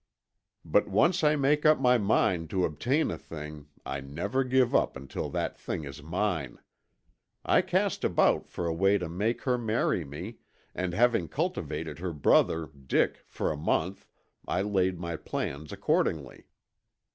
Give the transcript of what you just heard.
But once I make up my mind to obtain a thing I never give up until that thing is mine. I cast about for a way to make her marry me, and having cultivated her brother, Dick, for a month, I laid my plans accordingly.